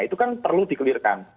itu kan perlu dikelirkan